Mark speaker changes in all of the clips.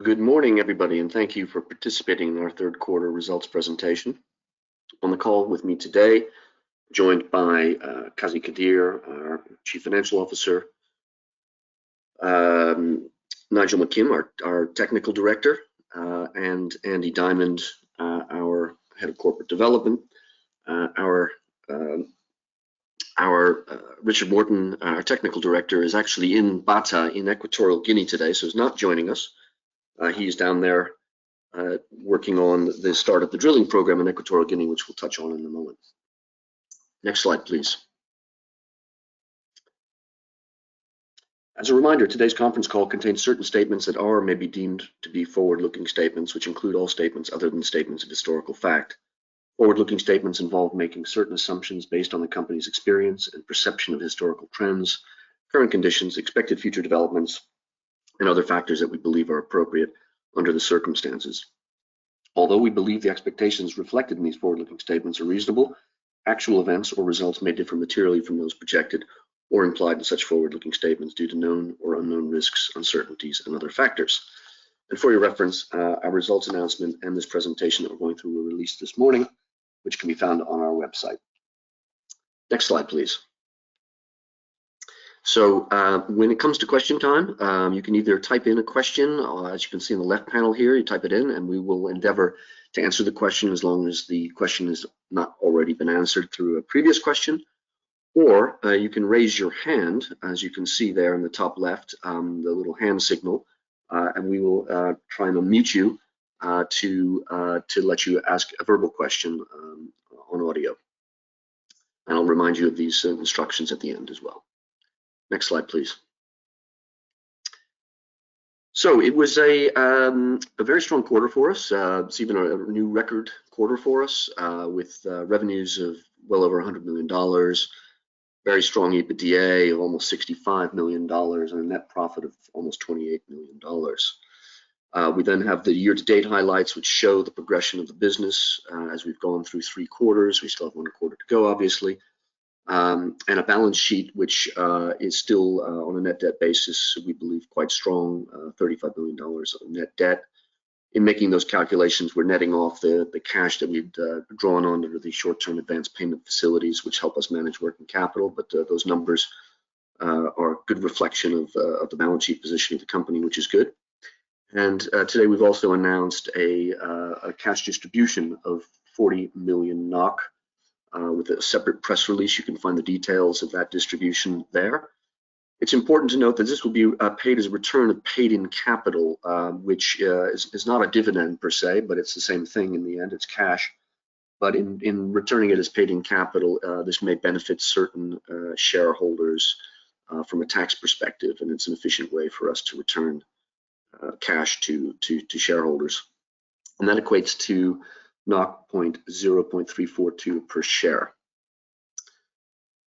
Speaker 1: Good morning, everybody, and thank you for participating in our third quarter results presentation. On the call with me today, joined by Qazi Qadeer, our Chief Financial Officer, Nigel McKim, our Technical Director, and Andy Diamond, our Head of Corporate Development. Richard Morton, our Technical Director, is actually in Bata in Equatorial Guinea today, so he's not joining us. He is down there working on the start of the drilling program in Equatorial Guinea, which we'll touch on in a moment. Next slide, please. As a reminder, today's conference call contains certain statements that are or may be deemed to be forward-looking statements, which include all statements other than statements of historical fact. Forward-looking statements involve making certain assumptions based on the company's experience and perception of historical trends, current conditions, expected future developments, and other factors that we believe are appropriate under the circumstances. Although we believe the expectations reflected in these forward-looking statements are reasonable, actual events or results may differ materially from those projected or implied in such forward-looking statements due to known or unknown risks, uncertainties, and other factors. For your reference, our results announcement and this presentation that we're going through were released this morning, which can be found on our website. Next slide, please. So, when it comes to question time, you can either type in a question, or as you can see in the left panel here, you type it in, and we will endeavor to answer the question as long as the question has not already been answered through a previous question. Or, you can raise your hand, as you can see there in the top left, the little hand signal, and we will try and unmute you, to let you ask a verbal question on audio. And I'll remind you of these instructions at the end as well. Next slide, please. So it was a very strong quarter for us. It's even a new record quarter for us, with revenues of well over $100 million, very strong EBITDA of almost $65 million, and a net profit of almost $28 million. We then have the year-to-date highlights, which show the progression of the business, as we've gone through three quarters. We still have one quarter to go, obviously. And a balance sheet, which is still, on a net debt basis, we believe, quite strong, $35 million of net debt. In making those calculations, we're netting off the cash that we've drawn on under the short-term advance payment facilities, which help us manage working capital, but those numbers are a good reflection of the balance sheet position of the company, which is good. Today, we've also announced a cash distribution of 40 million NOK. With a separate press release, you can find the details of that distribution there. It's important to note that this will be paid as a return of paid-in capital, which is not a dividend per se, but it's the same thing in the end, it's cash. But in returning it as paid-in capital, this may benefit certain shareholders from a tax perspective, and it's an efficient way for us to return cash to shareholders. That equates to 0.342 per share.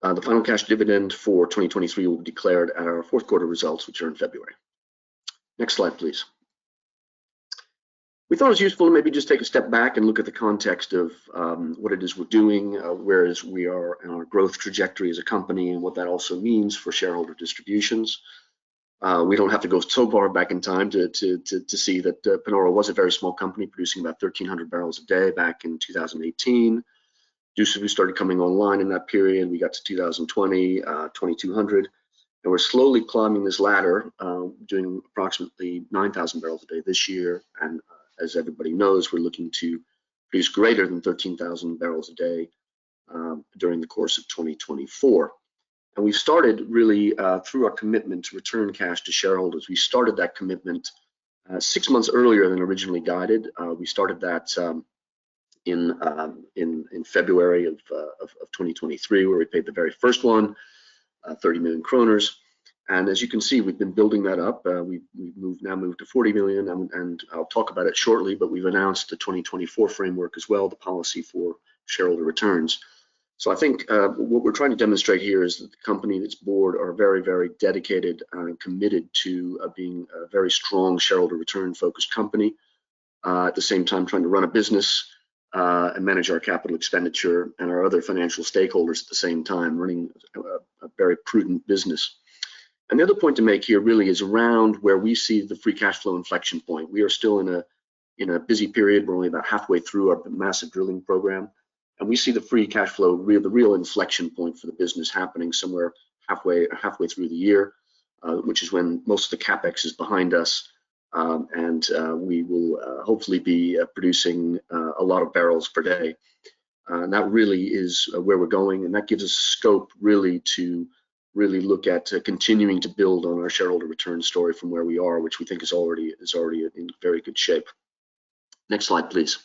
Speaker 1: The final cash dividend for 2023 will be declared at our fourth quarter results, which are in February. Next slide, please. We thought it was useful to maybe just take a step back and look at the context of what it is we're doing, where we are in our growth trajectory as a company and what that also means for shareholder distributions. We don't have to go so far back in time to see that Panoro was a very small company, producing about 1,300 barrels a day back in 2018. Dussafu started coming online in that period, we got to 2,020, 2,200, and we're slowly climbing this ladder, doing approximately 9,000 barrels a day this year. And as everybody knows, we're looking to produce greater than 13,000 barrels a day during the course of 2024. And we started really through our commitment to return cash to shareholders. We started that commitment, six months earlier than originally guided. We started that in February of 2023, where we paid the very first one, 30 million kroner. And as you can see, we've been building that up. We've moved now to 40 million, and I'll talk about it shortly, but we've announced the 2024 framework as well, the policy for shareholder returns. So I think, what we're trying to demonstrate here is that the company and its board are very, very dedicated and committed to being a very strong shareholder return-focused company. At the same time, trying to run a business, and manage our capital expenditure and our other financial stakeholders at the same time running a very prudent business. Another point to make here really is around where we see the free cash flow inflection point. We are still in a busy period. We're only about halfway through our massive drilling program, and we see the free cash flow, the real inflection point for the business happening somewhere halfway, halfway through the year, which is when most of the CapEx is behind us, and, we will, hopefully be, producing, a lot of barrels per day. And that really is where we're going, and that gives us scope, really to really look at continuing to build on our shareholder return story from where we are, which we think is already, is already in very good shape. Next slide, please.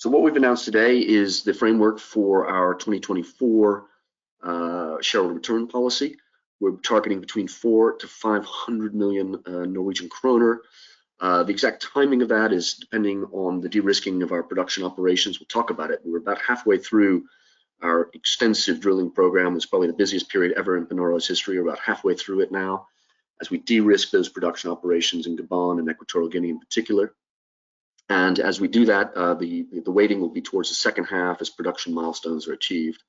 Speaker 1: So what we've announced today is the framework for our 2024, shareholder return policy. We're targeting between 400 million to 500 million Norwegian kroner. The exact timing of that is depending on the de-risking of our production operations. We'll talk about it. We're about halfway through our extensive drilling program. It's probably the busiest period ever in Panoro's history. We're about halfway through it now. As we de-risk those production operations in Gabon and Equatorial Guinea in particular. And as we do that, the weighting will be towards the second half as production milestones are achieved.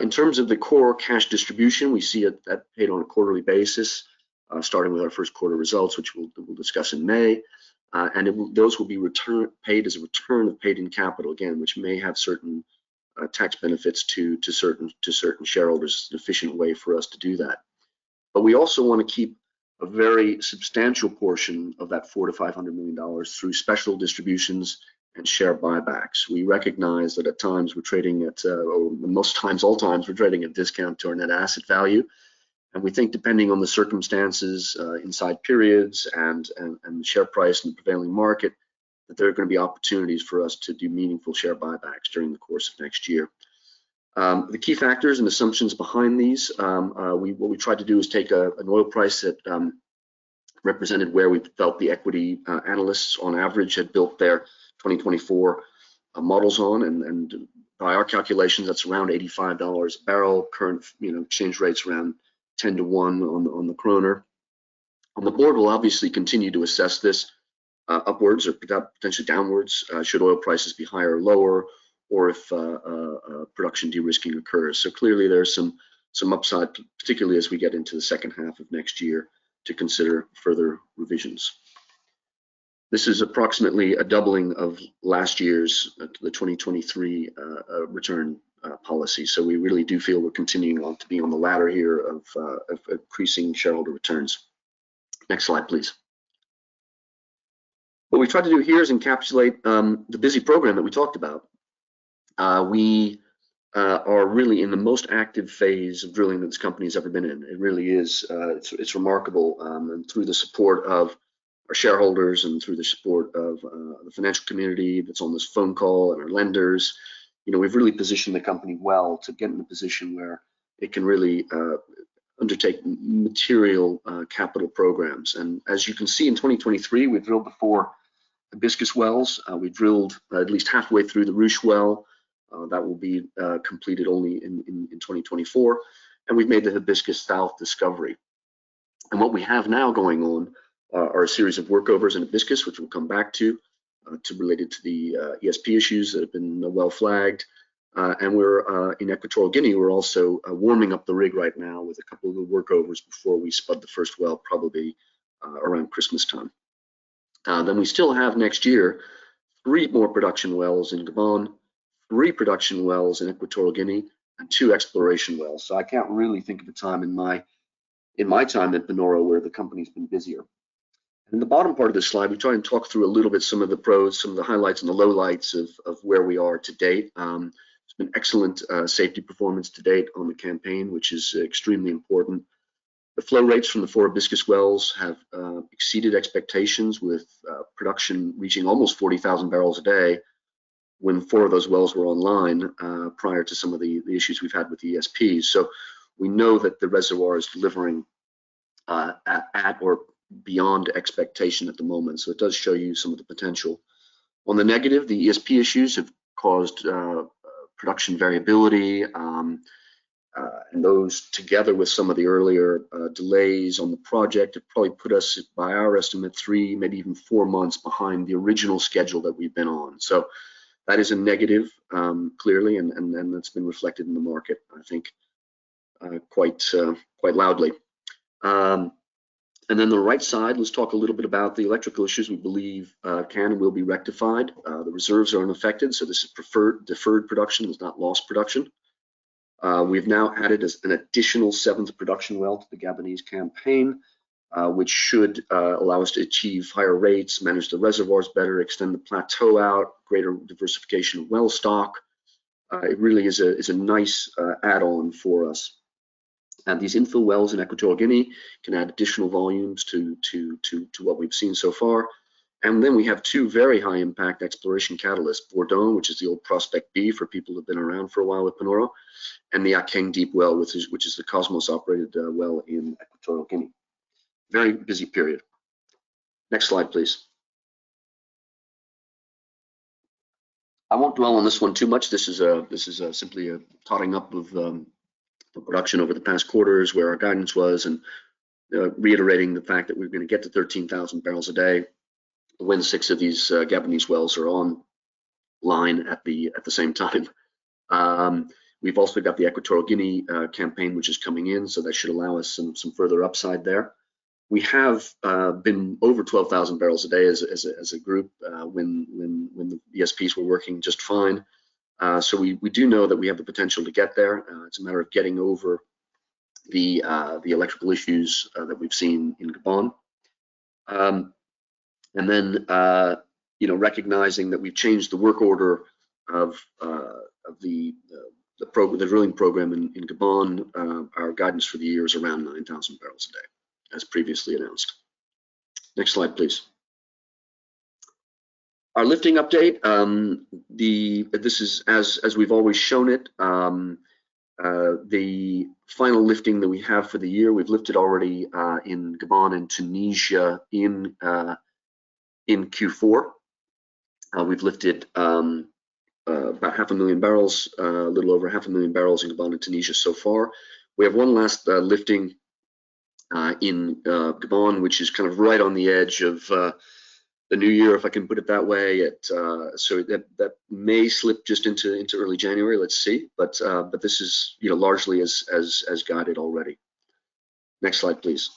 Speaker 1: In terms of the core cash distribution, we see it that paid on a quarterly basis, starting with our first quarter results, which we'll discuss in May. And it will, those will be returned, paid as a return of paid in capital, again, which may have certain tax benefits to certain shareholders. It's an efficient way for us to do that. But we also want to keep a very substantial portion of that $400 million to $500 million through special distributions and share buybacks. We recognize that at times we're trading at, or most times, all times, we're trading at discount to our net asset value. And we think, depending on the circumstances, inside periods and the share price in the prevailing market, that there are going to be opportunities for us to do meaningful share buybacks during the course of next year. The key factors and assumptions behind these, what we tried to do is take an oil price that represented where we felt the equity analysts on average had built their 2024 models on. And, by our calculations, that's around $85 a barrel. Currently, you know, exchange rate's around 10 to 1 on the kroner. The board will obviously continue to assess this upwards or potentially downwards should oil prices be higher or lower, or if a production de-risking occurs. So clearly, there are some upside, particularly as we get into the second half of next year to consider further revisions. This is approximately a doubling of last year's, the 2023 return policy. So we really do feel we're continuing on to be on the ladder here of increasing shareholder returns. Next slide, please. What we've tried to do here is encapsulate the busy program that we talked about. We are really in the most active phase of drilling that this company has ever been in. It really is, it's remarkable, and through the support of our shareholders and through the support of the financial community that's on this phone call and our lenders, you know, we've really positioned the company well to get in a position where it can really undertake material capital programs. And as you can see, in 2023, we drilled four Hibiscus wells. We drilled at least halfway through the Ruche well, that will be completed only in 2024. And we've made the Hibiscus South discovery. And what we have now going on are a series of workovers in Hibiscus, which we'll come back to, related to the ESP issues that have been well flagged. And we're in Equatorial Guinea, we're also warming up the rig right now with a couple of the workovers before we spud the first well, probably around Christmas time. Then we still have next year, three more production wells in Gabon, three production wells in Equatorial Guinea, and two exploration wells. So I can't really think of a time in my time at Panoro, where the company's been busier. In the bottom part of this slide, we try and talk through a little bit some of the pros, some of the highlights and the lowlights of where we are to date. It's been excellent safety performance to date on the campaign, which is extremely important. The flow rates from the four Hibiscus wells have exceeded expectations, with production reaching almost 40,000 barrels a day when four of those wells were online, prior to some of the issues we've had with the ESP. So we know that the reservoir is delivering at or beyond expectation at the moment. So it does show you some of the potential. On the negative, the ESP issues have caused production variability, and those, together with some of the earlier delays on the project, have probably put us, by our estimate, three months, maybe even four months behind the original schedule that we've been on. So that is a negative, clearly, and that's been reflected in the market, I think, quite loudly. And then the right side, let's talk a little bit about the electrical issues we believe can and will be rectified. The reserves are unaffected, so this is deferred production, it's not lost production. We've now added an additional seventh production well to the Gabonese campaign, which should allow us to achieve higher rates, manage the reservoirs better, extend the plateau out, greater diversification of well stock. It really is a nice add-on for us. And these infill wells in Equatorial Guinea can add additional volumes to what we've seen so far. And then we have two very high-impact exploration catalysts, Bourdon, which is the old Prospect B for people who've been around for a while at Panoro, and the Akeng Deep well, which is the Kosmos-operated well in Equatorial Guinea. A very busy period. Next slide, please. I won't dwell on this one too much. This is simply a totting up of the production over the past quarters, where our guidance was, and reiterating the fact that we're going to get to 13,000 barrels a day when six of these Gabonese wells are on line at the same time. We've also got the Equatorial Guinea campaign, which is coming in, so that should allow us some further upside there. We have been over 12,000 barrels a day as a group when the ESPs were working just fine. So we do know that we have the potential to get there. It's a matter of getting over the electrical issues that we've seen in Gabon. Then, you know, recognizing that we've changed the work order of the drilling program in Gabon, our guidance for the year is around 9,000 barrels a day, as previously announced. Next slide, please. Our lifting update. This is as we've always shown it. The final lifting that we have for the year, we've lifted already in Gabon and Tunisia in Q4. We've lifted about 500,000 barrels, a little over 500,000 barrels in Gabon and Tunisia so far. We have one last lifting in Gabon, which is kind of right on the edge of the new year, if I can put it that way. So that may slip just into early January. Let's see. But this is, you know, largely as guided already. Next slide, please.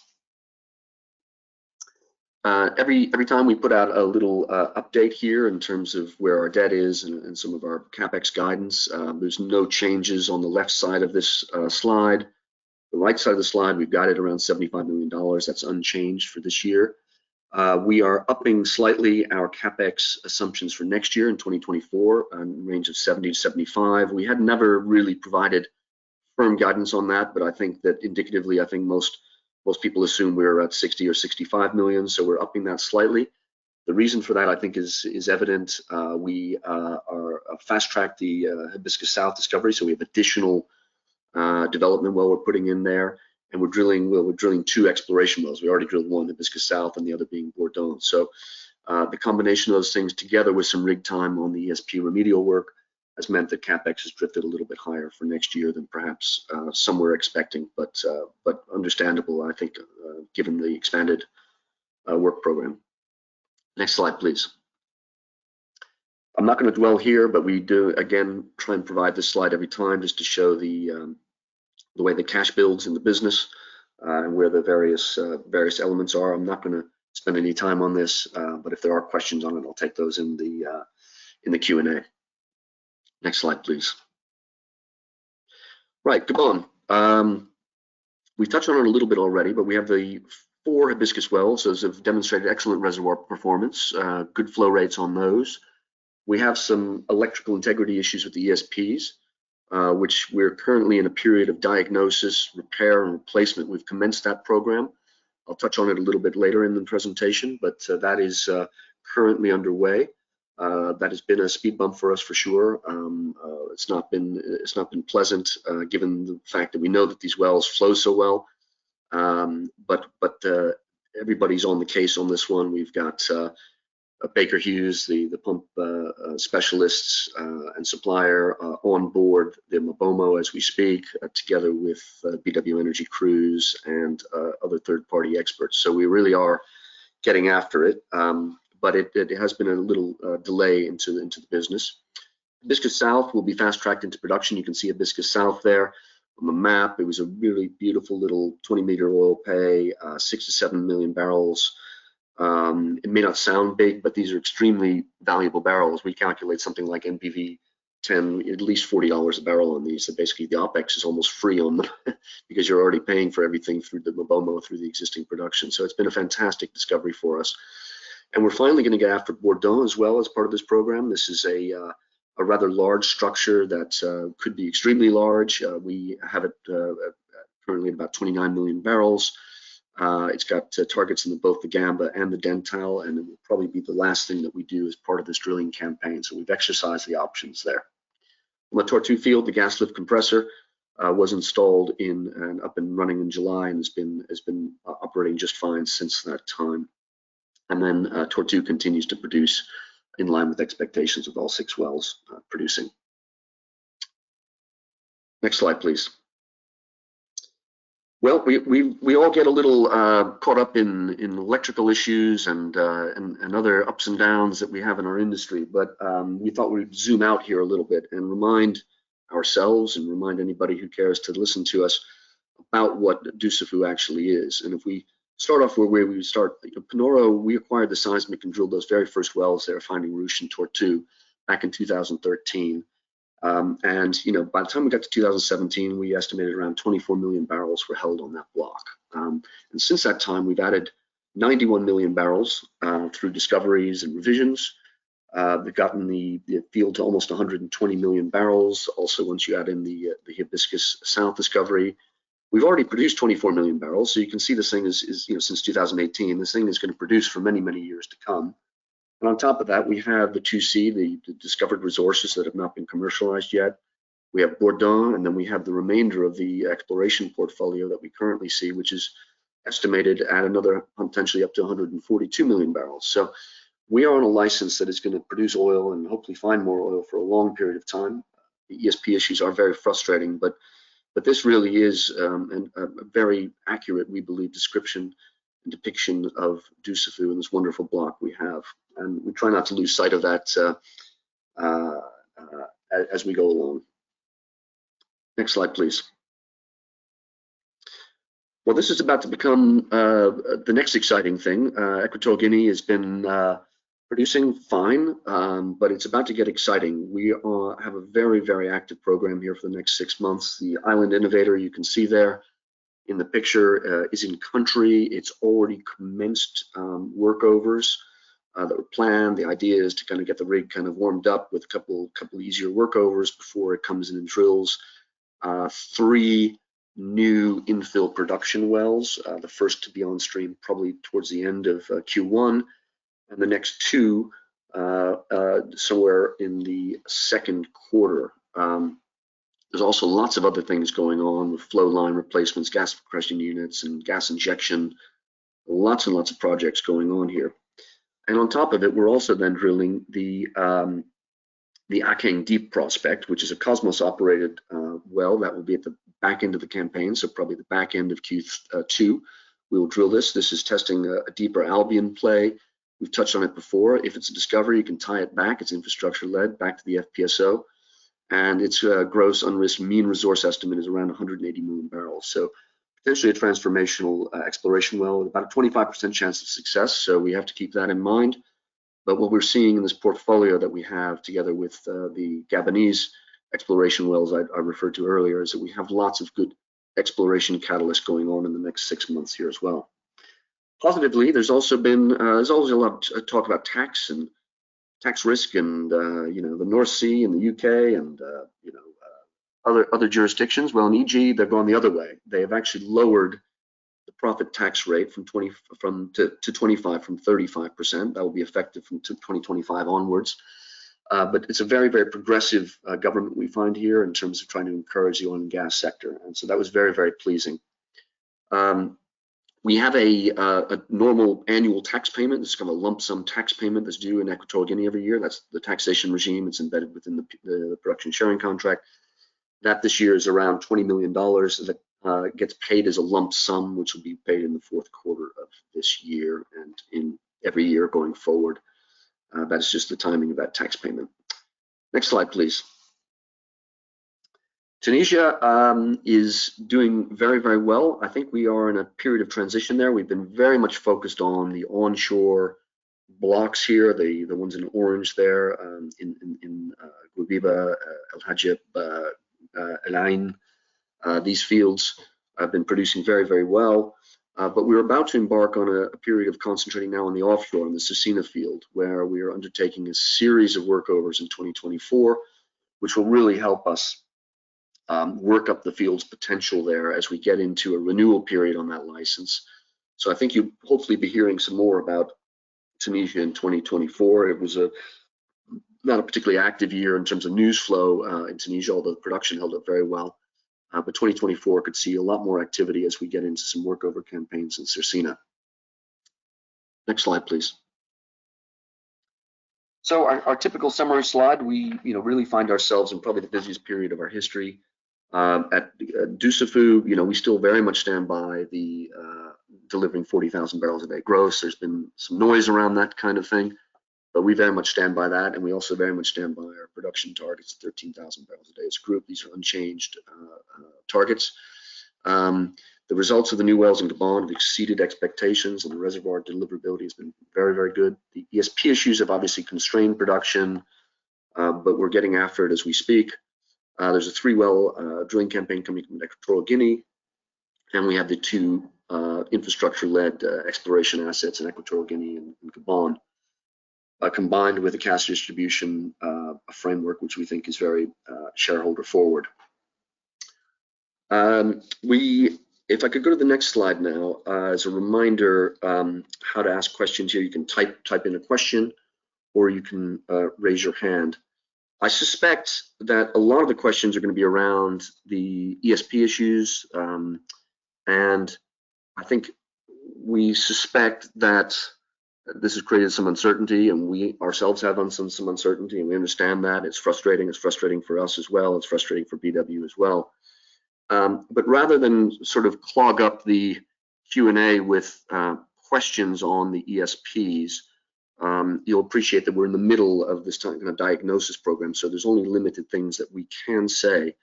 Speaker 1: Every time we put out a little update here in terms of where our debt is and some of our CapEx guidance, there's no changes on the left side of this slide. The right side of the slide, we've got it around $75 million. That's unchanged for this year. We are upping slightly our CapEx assumptions for next year in 2024, range of $70 million, $75 million. We had never really provided firm guidance on that, but I think that indicatively, I think most people assume we're at $60 million or $65 million, so we're upping that slightly. The reason for that, I think, is evident. We are fast-tracked the Hibiscus South discovery, so we have additional development well we're putting in there, and we're drilling, well, we're drilling two exploration wells. We already drilled one, the Hibiscus South, and the other being Bourdon. So, the combination of those things, together with some rig time on the ESP remedial work, has meant that CapEx has drifted a little bit higher for next year than perhaps some were expecting, but understandable, I think, given the expanded work program. Next slide, please. I'm not going to dwell here, but we do, again, try and provide this slide every time just to show the the way the cash builds in the business, and where the various various elements are. I'm not going to spend any time on this, but if there are questions on it, I'll take those in the Q&A. Next slide, please. Right. Gabon. We've touched on it a little bit already, but we have the four Hibiscus wells. Those have demonstrated excellent reservoir performance, good flow rates on those. We have some electrical integrity issues with the ESPs, which we're currently in a period of diagnosis, repair, and replacement. We've commenced that program. I'll touch on it a little bit later in the presentation, but that is currently underway. That has been a speed bump for us for sure. It's not been pleasant, given the fact that we know that these wells flow so well. But everybody's on the case on this one. We've got Baker Hughes, the pump specialists and supplier on board the MaBoMo as we speak, together with BW Energy crews and other third-party experts. So we really are getting after it. But it has been a little delay into the business. Hibiscus South will be fast-tracked into production. You can see Hibiscus South there on the map. It was a really beautiful little 20-meter oil pay, 6 million to 7 million barrels. It may not sound big, but these are extremely valuable barrels. We calculate something like NPV10, at least $40 a barrel on these. So basically, the OpEx is almost free on them because you're already paying for everything through the MaBoMo, through the existing production. So it's been a fantastic discovery for us, and we're finally going to get after Bourdon as well as part of this program. This is a rather large structure that could be extremely large. We have it currently at about 29 million barrels. It's got targets in both the Gamba and the Dentale, and it will probably be the last thing that we do as part of this drilling campaign. So we've exercised the options there. On the Tortue field, the gas lift compressor was installed and up and running in July and has been operating just fine since that time. And then, Tortue continues to produce in line with expectations, with all six wells producing. Next slide, please. Well, we all get a little caught up in electrical issues and other ups and downs that we have in our industry, but we thought we'd zoom out here a little bit and remind ourselves, and remind anybody who cares to listen to us, about what Dussafu actually is. And if we start off where we would start, you know, Panoro, we acquired the seismic and drilled those very first wells that are finding Ruche and Tortue back in 2013. And, you know, by the time we got to 2017, we estimated around 24 million barrels were held on that block. And since that time, we've added 91 million barrels through discoveries and revisions. We've gotten the field to almost 120 million barrels. Also, once you add in the Hibiscus South discovery, we've already produced 24 million barrels. So you can see this thing is, you know, since 2018, this thing is going to produce for many, many years to come. And on top of that, we have the 2C, the discovered resources that have not been commercialized yet. We have Bourdon, and then we have the remainder of the exploration portfolio that we currently see, which is estimated at another potentially up to 142 million barrels. So we are on a license that is going to produce oil and hopefully find more oil for a long period of time. ESP issues are very frustrating, but this really is a very accurate, we believe, description and depiction of Dussafu and this wonderful block we have, and we try not to lose sight of that, as we go along. Next slide, please. Well, this is about to become the next exciting thing. Equatorial Guinea has been producing fine, but it's about to get exciting. We have a very, very active program here for the next six months. The Island Innovator, you can see there in the picture, is in country. It's already commenced workovers. The plan, the idea is to kind of get the rig kind of warmed up with a couple easier workovers before it comes in and drills, three new infill production wells. The first to be on stream, probably towards the end of Q1, and the next two somewhere in the second quarter. There's also lots of other things going on with flowline replacements, gas compression units, and gas injection. Lots and lots of projects going on here. And on top of it, we're also then drilling the Akeng Deep Prospect, which is a Kosmos-operated well, that will be at the back end of the campaign, so probably the back end of Q2. We will drill this. This is testing a deeper Albian play. We've touched on it before. If it's a discovery, you can tie it back. It's infrastructure-led back to the FPSO, and its gross unrisk mean resource estimate is around 180 million barrels. So potentially a transformational exploration well, with about a 25% chance of success, so we have to keep that in mind. But what we're seeing in this portfolio that we have, together with the Gabonese exploration wells I referred to earlier, is that we have lots of good exploration catalysts going on in the next six months here as well. Positively, there's also been. There's always a lot of talk about tax and tax risk and, you know, the North Sea and the U.K. and, you know, other jurisdictions. Well, in EG, they're going the other way. They have actually lowered the profit tax rate from 25% to 35%. That will be effective from 2025 onwards. But it's a very, very progressive government we find here in terms of trying to encourage the oil and gas sector, and so that was very, very pleasing. We have a normal annual tax payment. This is kind of a lump sum tax payment that's due in Equatorial Guinea every year. That's the taxation regime. It's embedded within the production sharing contract. That this year is around $20 million, that gets paid as a lump sum, which will be paid in the fourth quarter of this year and in every year going forward. That's just the timing of that tax payment. Next slide, please. Tunisia is doing very, very well. I think we are in a period of transition there. We've been very much focused on the onshore blocks here, the ones in orange there, in Guebiba, El Hajeb, El Ain. These fields have been producing very, very well, but we're about to embark on a period of concentrating now on the offshore, on the Cercina field, where we are undertaking a series of workovers in 2024, which will really help us work up the field's potential there as we get into a renewal period on that license. So I think you'll hopefully be hearing some more about Tunisia in 2024. It was not a particularly active year in terms of news flow in Tunisia, although production held up very well. But 2024 could see a lot more activity as we get into some workover campaigns in Cercina. Next slide, please. So our typical summary slide, you know, really find ourselves in probably the busiest period of our history. At Dussafu, you know, we still very much stand by the delivering 40,000 barrels a day gross. There's been some noise around that kind of thing, but we very much stand by that, and we also very much stand by our production targets of 13,000 barrels a day as group. These are unchanged targets. The results of the new wells in Gabon have exceeded expectations, and the reservoir deliverability has been very, very good. The ESP issues have obviously constrained production, but we're getting after it as we speak. There's a three-well drilling campaign coming from Equatorial Guinea, and we have the two infrastructure-led exploration assets in Equatorial Guinea and Gabon, combined with a cash distribution framework, which we think is very shareholder forward. If I could go to the next slide now, as a reminder, how to ask questions here. You can type in a question, or you can raise your hand. I suspect that a lot of the questions are going to be around the ESP issues, and I think we suspect that this has created some uncertainty, and we ourselves have some uncertainty, and we understand that. It's frustrating. It's frustrating for us as well. It's frustrating for BW as well. But rather than sort of clog up the Q&A with questions on the ESPs, you'll appreciate that we're in the middle of this kind of diagnosis program, so there's only limited things that we can say.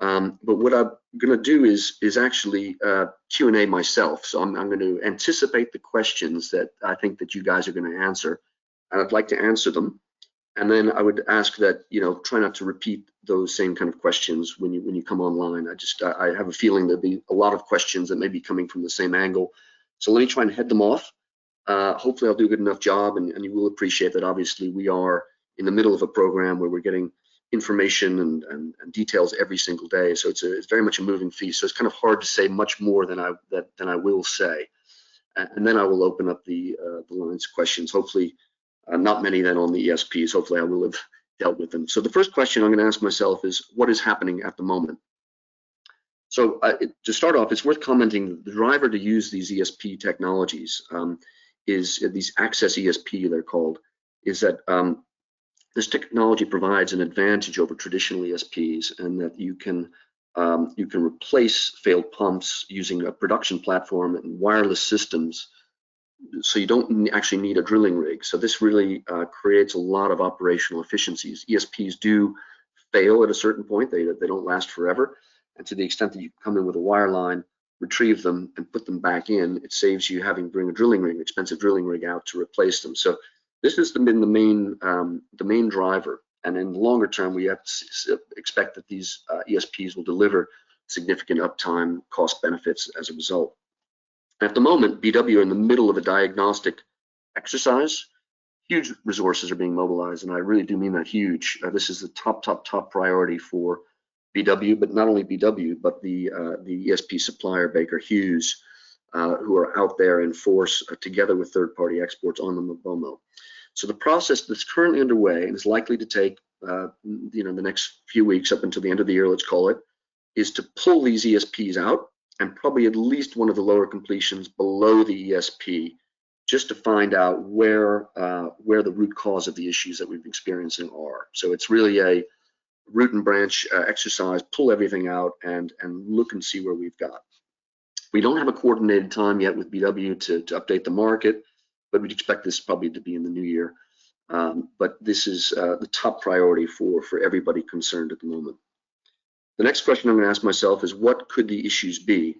Speaker 1: But what I'm going to do is actually Q&A myself. So I'm going to anticipate the questions that I think that you guys are going to answer, and I'd like to answer them. And then I would ask that, you know, try not to repeat those same kind of questions when you come online. I just have a feeling there'll be a lot of questions that may be coming from the same angle. So let me try and head them off. Hopefully, I'll do a good enough job, and you will appreciate that obviously we are in the middle of a program where we're getting information and details every single day, so it's very much a moving feast. So it's kind of hard to say much more than I will say. And then I will open up the lines for questions. Hopefully, not many then on the ESPs. Hopefully, I will have dealt with them. So the first question I'm going to ask myself is: What is happening at the moment? So, to start off, it's worth commenting, the driver to use these ESP technologies is, these AccessESP they're called, is that this technology provides an advantage over traditional ESPs, and that you can replace failed pumps using a production platform and wireless systems, so you don't actually need a drilling rig. So this really creates a lot of operational efficiencies. ESPs do fail at a certain point. They don't last forever. And to the extent that you come in with a wireline, retrieve them, and put them back in, it saves you having to bring a drilling rig, an expensive drilling rig, out to replace them. So this has been the main driver, and in the longer term, we expect that these ESPs will deliver significant uptime cost benefits as a result. At the moment, BW are in the middle of a diagnostic exercise. Huge resources are being mobilized, and I really do mean that, huge. This is the top, top, top priority for BW, but not only BW, but the ESP supplier, Baker Hughes, who are out there in force, together with third-party experts, on the MaBoMo. So the process that's currently underway, and is likely to take, you know, the next few weeks up until the end of the year, let's call it, is to pull these ESPs out, and probably at least one of the lower completions below the ESP just to find out where the root cause of the issues that we've been experiencing are. So it's really a root and branch exercise, pull everything out, and look and see where we've got. We don't have a coordinated time yet with BW to update the market, but we'd expect this probably to be in the new year. But this is the top priority for everybody concerned at the moment. The next question I'm going to ask myself is, what could the issues be?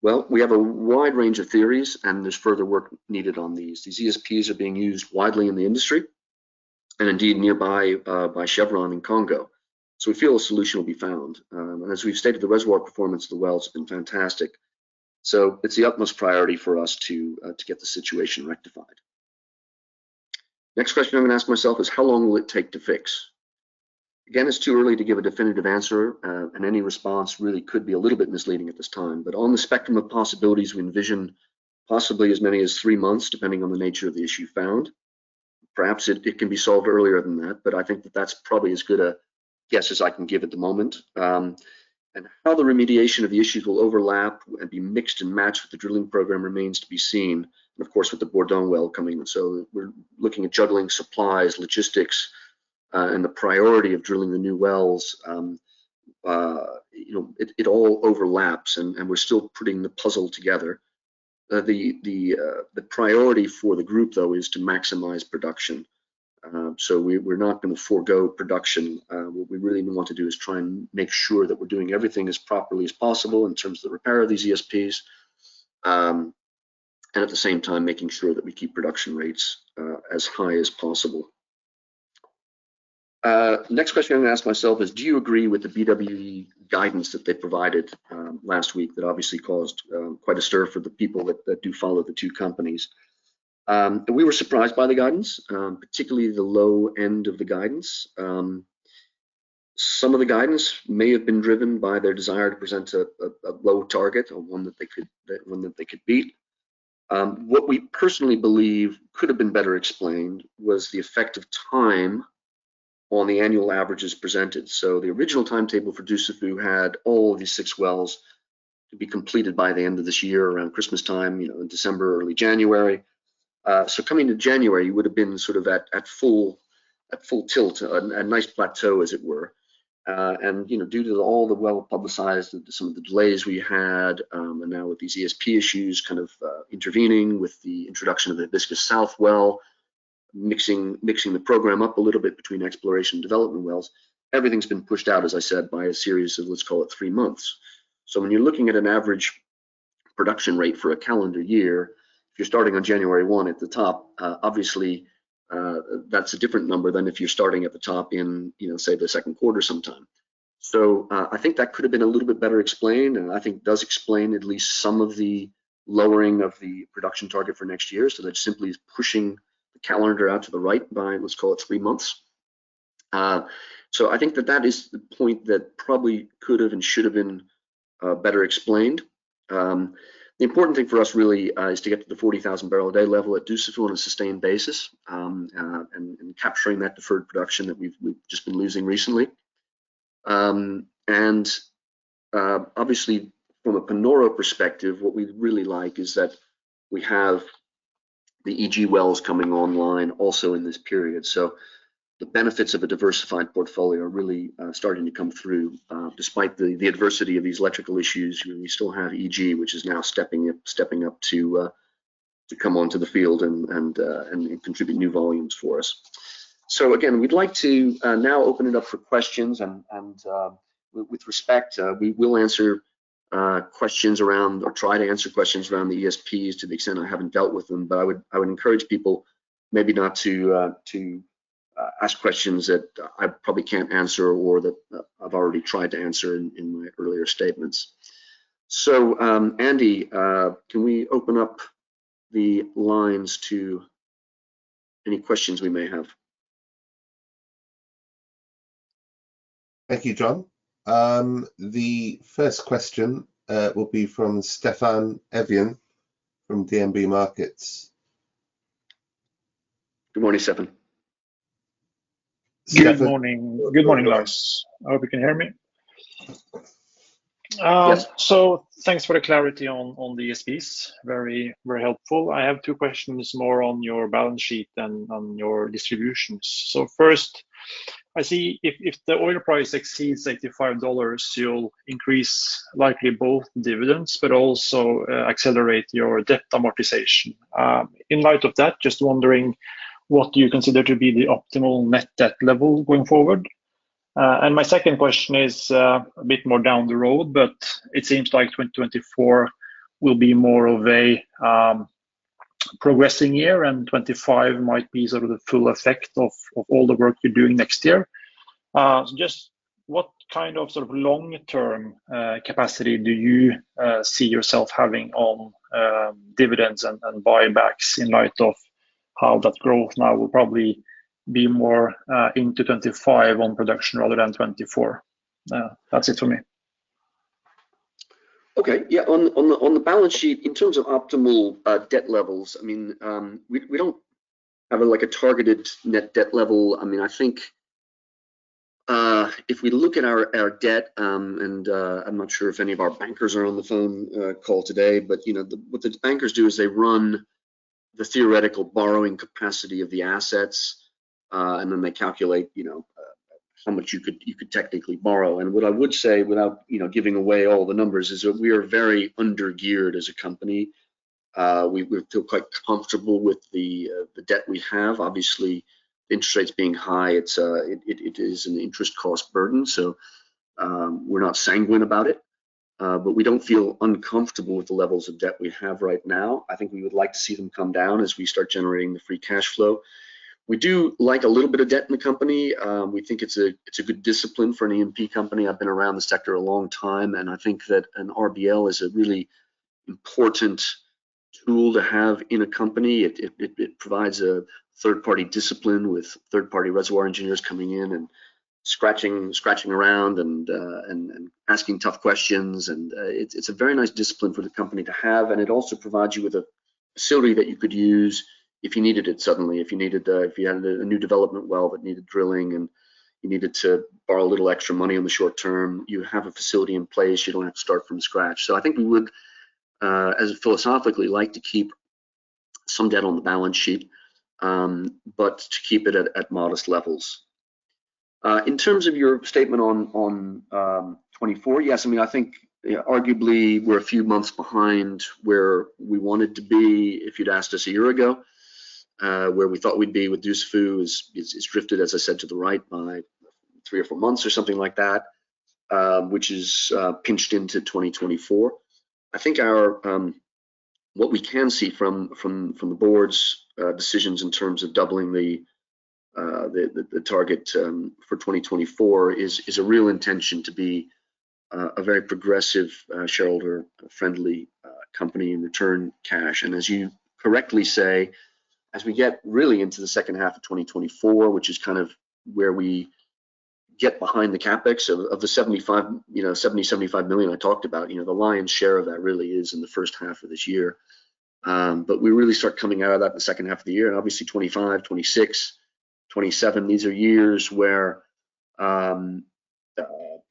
Speaker 1: Well, we have a wide range of theories, and there's further work needed on these. These ESPs are being used widely in the industry, and indeed nearby by Chevron in Congo. So we feel a solution will be found. And as we've stated, the reservoir performance of the well has been fantastic, so it's the utmost priority for us to get the situation rectified. Next question I'm going to ask myself is, how long will it take to fix? Again, it's too early to give a definitive answer, and any response really could be a little bit misleading at this time. But on the spectrum of possibilities, we envision possibly as many as three months, depending on the nature of the issue found. Perhaps it can be solved earlier than that, but I think that that's probably as good a guess as I can give at the moment. And how the remediation of the issues will overlap and be mixed and matched with the drilling program remains to be seen, and of course, with the Bourdon well coming in. So we're looking at juggling supplies, logistics, and the priority of drilling the new wells. You know, it all overlaps, and we're still putting the puzzle together. The priority for the group, though, is to maximize production. So we're not going to forego production. What we really want to do is try and make sure that we're doing everything as properly as possible in terms of the repair of these ESPs, and at the same time, making sure that we keep production rates as high as possible. Next question I'm going to ask myself is, do you agree with the BW Energy guidance that they provided last week, that obviously caused quite a stir for the people that, that do follow the two companies? And we were surprised by the guidance, particularly the low end of the guidance. Some of the guidance may have been driven by their desire to present a low target or one that they could beat. What we personally believe could have been better explained was the effect of time on the annual averages presented. So the original timetable for Dussafu had all of these six wells to be completed by the end of this year, around Christmas time, you know, in December, early January. So coming to January, you would've been sort of at full tilt, a nice plateau, as it were. And, you know, due to all the well-publicized, some of the delays we had, and now with these ESP issues, kind of intervening with the introduction of the Hibiscus South well, mixing the program up a little bit between exploration and development wells, everything's been pushed out, as I said, by a series of, let's call it three months. So when you're looking at an average production rate for a calendar year, if you're starting on January 1 at the top, obviously, that's a different number than if you're starting at the top in, you know, say, the second quarter sometime. So, I think that could have been a little bit better explained, and I think does explain at least some of the lowering of the production target for next year. So that simply is pushing the calendar out to the right by, let's call it three months. So I think that that is the point that probably could have and should have been, better explained. The important thing for us really is to get to the 40,000 barrel a day level at Dussafu on a sustained basis and capturing that deferred production that we've just been losing recently. Obviously from a Panoro perspective, what we'd really like is that we have the EG wells coming online also in this period. So the benefits of a diversified portfolio are really starting to come through. Despite the adversity of these electrical issues, we still have EG, which is now stepping up to come onto the field and contribute new volumes for us. So again, we'd like to now open it up for questions, and with respect, we will answer questions around or try to answer questions around the ESPs to the extent I haven't dealt with them, but I would encourage people maybe not to ask questions that I probably can't answer or that I've already tried to answer in my earlier statements. So, Andy, can we open up the lines to any questions we may have?
Speaker 2: Thank you, John. The first question will be from Steffen Evjen from DNB Markets.
Speaker 1: Good morning, Stepane.
Speaker 3: Good morning. Good morning, guys. I hope you can hear me.
Speaker 1: Yes.
Speaker 3: So thanks for the clarity on the ESPs. Very, very helpful. I have two questions more on your balance sheet than on your distributions. So first, I see if the oil price exceeds $85, you'll increase likely both dividends, but also, accelerate your debt amortization. In light of that, just wondering what you consider to be the optimal net debt level going forward? And my second question is, a bit more down the road, but it seems like 2024 will be more of a progressing year, and 2025 might be sort of the full effect of all the work you're doing next year. So just what kind of sort of long-term capacity do you see yourself having on dividends and buybacks in light of how that growth now will probably be more into 2025 on production rather than 2024? That's it for me.
Speaker 1: Okay. Yeah, on the balance sheet, in terms of optimal debt levels, I mean, we don't have, like, a targeted net debt level. I mean, I think if we look at our debt and I'm not sure if any of our bankers are on the phone call today, but you know, what the bankers do is they run the theoretical borrowing capacity of the assets and then they calculate, you know, how much you could technically borrow. And what I would say without, you know, giving away all the numbers, is that we are very under-geared as a company. We feel quite comfortable with the debt we have. Obviously, interest rates being high, it's an interest cost burden, so, we're not sanguine about it, but we don't feel uncomfortable with the levels of debt we have right now. I think we would like to see them come down as we start generating the free cash flow. We do like a little bit of debt in the company. We think it's a good discipline for an E&P company. I've been around the sector a long time, and I think that an RBL is a really important tool to have in a company. It provides a third-party discipline with third-party reservoir engineers coming in and scratching around and asking tough questions. It's a very nice discipline for the company to have, and it also provides you with a facility that you could use if you needed it suddenly. If you had a new development well that needed drilling, and you needed to borrow a little extra money on the short term, you have a facility in place. You don't have to start from scratch. So I think we would, as philosophically, like to keep some debt on the balance sheet, but to keep it at modest levels. In terms of your statement on 2024, yes, I mean, I think arguably we're a few months behind where we wanted to be. If you'd asked us a year ago, where we thought we'd be with Dussafu has drifted, as I said, to the right, by three or four months or something like that, which is pinched into 2024. I think what we can see from the board's decisions in terms of doubling the target for 2024 is a real intention to be a very progressive shareholder-friendly company in returning cash. And as you correctly say, as we get really into the second half of 2024, which is kind of where we get behind the CapEx of the $75 million I talked about, you know, the lion's share of that really is in the first half of this year. But we really start coming out of that in the second half of the year, and obviously, 2025, 2026, 2027, these are years where,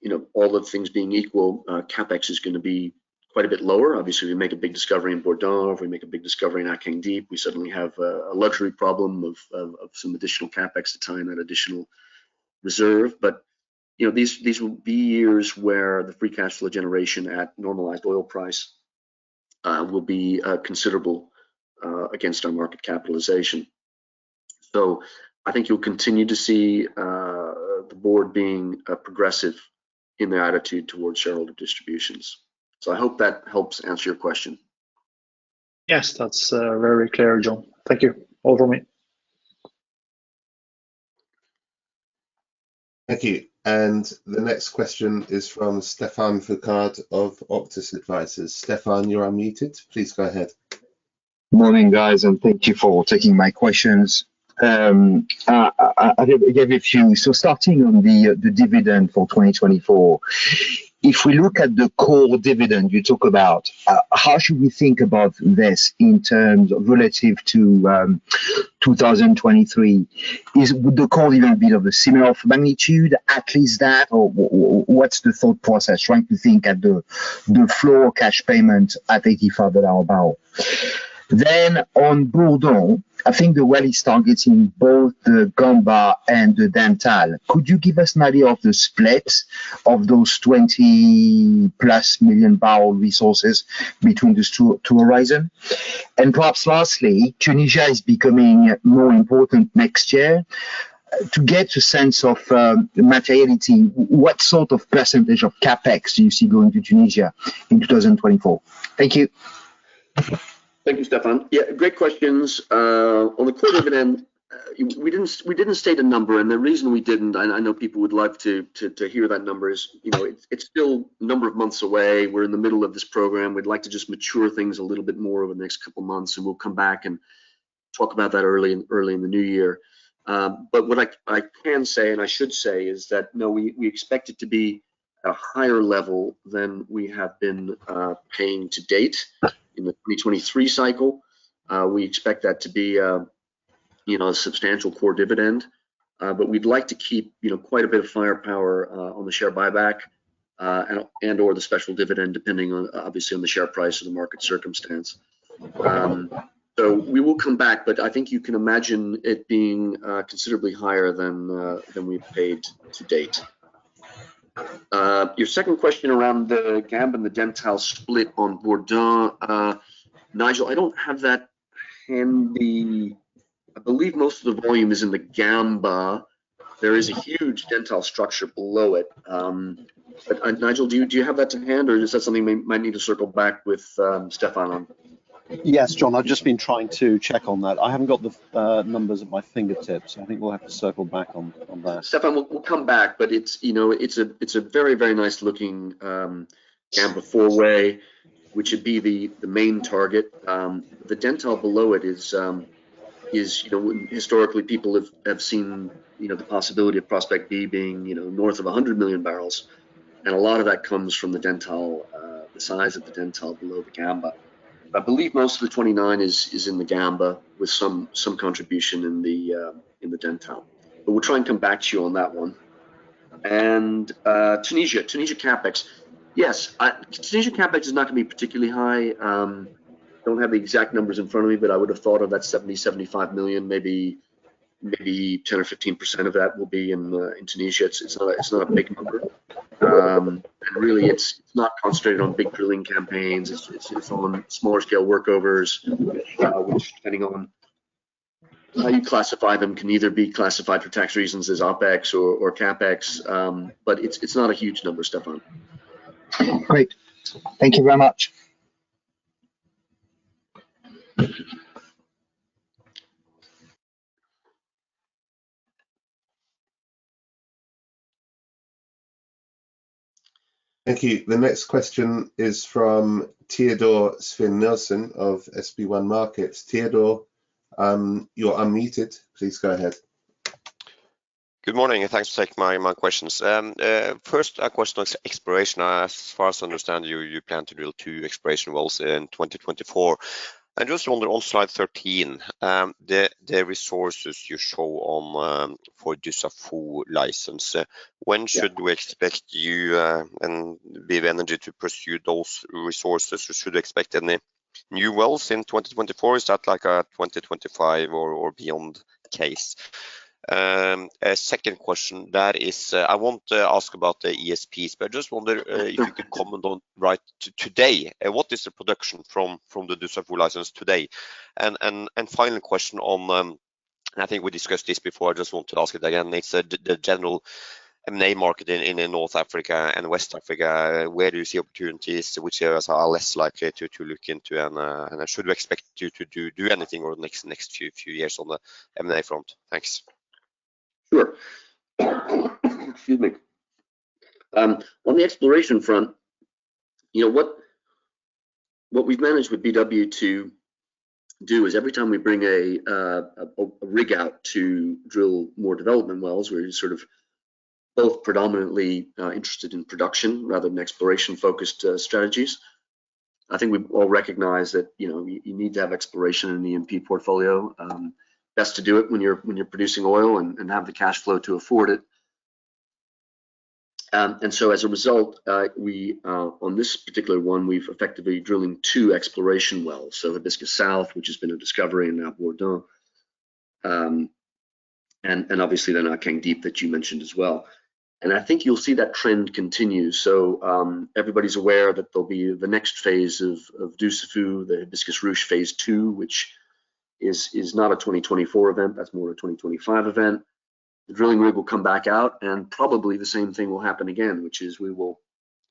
Speaker 1: you know, all other things being equal, CapEx is going to be quite a bit lower. Obviously, if we make a big discovery in Bourdon, or if we make a big discovery in Akeng Deep, we suddenly have a luxury problem of some additional CapEx to tie in that additional reserve. But, you know, these will be years where the free cash flow generation at normalized oil price will be considerable against our market capitalization. So I think you'll continue to see the board being progressive in their attitude towards shareholder distributions. So I hope that helps answer your question.
Speaker 3: Yes, that's very clear, John. Thank you. Over, mate.
Speaker 2: Thank you. The next question is from Stephane Foucaud of Auctus Advisors. Stefan, you're unmuted. Please go ahead.
Speaker 4: Morning, guys, and thank you for taking my questions. I gave a few. So starting on the dividend for 2024, if we look at the core dividend you talk about, how should we think about this in terms relative to 2023? Would the core dividend be of a similar magnitude at least that, or what's the thought process? Trying to think at the floor cash payment at $85 barrel. Then on Bourdon, I think the well is targeting both the Gamba and the Dentale. Could you give us an idea of the split of those 20+ million barrel resources between these two horizons? And perhaps lastly, Tunisia is becoming more important next year. To get a sense of the materiality, what sort of percentage of CapEx do you see going to Tunisia in 2024? Thank you.
Speaker 1: Thank you, Stefan. Yeah, great questions. On the core dividend, we didn't state a number, and the reason we didn't, and I know people would like to hear that number is, you know, it's still a number of months away. We're in the middle of this program. We'd like to just mature things a little bit more over the next couple of months, and we'll come back and talk about that early in the new year. But what I can say, and I should say, is that, no, we expect it to be a higher level than we have been paying to date in the 2023 cycle. We expect that to be a, you know, a substantial core dividend, but we'd like to keep, you know, quite a bit of firepower, on the share buyback, and/or the special dividend, depending on, obviously, on the share price and the market circumstance. So we will come back, but I think you can imagine it being, considerably higher than, than we've paid to date. Your second question around the Gamba and the Dentale split on Bourdon, Nigel, I don't have that handy. I believe most of the volume is in the Gamba. There is a huge Dentale structure below it. But, Nigel, do you, do you have that to hand, or is that something we might need to circle back with, Stefan on?
Speaker 2: Yes, John, I've just been trying to check on that. I haven't got the numbers at my fingertips. I think we'll have to circle back on that.
Speaker 1: Stephane, we'll come back, but it's, you know, it's a very, very nice looking Gamba four-way, which would be the main target. The Dentale below it is, you know, historically, people have seen, you know, the possibility of Prospect B being, you know, north of 100 million barrels, and a lot of that comes from the Dentale, the size of the Dentale below the Gamba. I believe most of the 29 is in the Gamba, with some contribution in the Dentale. But we'll try and come back to you on that one. And, Tunisia CapEx. Yes, Tunisia CapEx is not going to be particularly high. I don't have the exact numbers in front of me, but I would have thought of that $70 million, $75 million, maybe 10% to 15% of that will be in Tunisia. It's not a big number. And really, it's not concentrated on big drilling campaigns. It's on smaller scale workovers, which, depending on how you classify them, can either be classified for tax reasons as OpEx or CapEx. But it's not a huge number, Stephane.
Speaker 4: Great. Thank you very much.
Speaker 2: Thank you. The next question is from Teodor Sveen-Nilsen of SP1 Markets. Theodore, you're unmuted. Please go ahead.
Speaker 5: Good morning, and thanks for taking my questions. First, a question on exploration. As far as I understand, you plan to drill two exploration wells in 2024. I just wonder, on slide 13, the resources you show on, for the Dussafu license, when should-
Speaker 1: Yeah
Speaker 5: We expect you and BW Energy to pursue those resources? We should expect any new wells in 2024, is that like a 2025 or, or beyond case? A second question, that is, I want to ask about the ESPs, but I just wonder.
Speaker 1: Yeah.
Speaker 5: If you could comment on right today, what is the production from the Dussafu license today? And final question on, and I think we discussed this before, I just want to ask it again. It's the general M&A market in North Africa and West Africa. Where do you see opportunities? Which areas are less likely to look into, and should we expect you to do anything over the next few years on the M&A front? Thanks.
Speaker 1: Sure. Excuse me. On the exploration front, you know, what we've managed with BW to do is every time we bring a rig out to drill more development wells, we're sort of but predominantly interested in production rather than exploration-focused strategies. I think we all recognize that, you know, you need to have exploration in the E&P portfolio. Best to do it when you're producing oil and have the cash flow to afford it. And so as a result, we on this particular one, we've effectively drilling two exploration wells. So Hibiscus South, which has been a discovery in Bourdon, and obviously, the Akeng Deep that you mentioned as well. And I think you'll see that trend continue. So, everybody's aware that there'll be the next phase of Dussafu, the Hibiscus/Ruche Phase Two, which is not a 2024 event, that's more a 2025 event. The drilling rig will come back out, and probably the same thing will happen again, which is we will